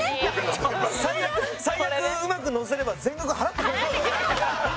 最悪うまく乗せれば全額払ってくれそう。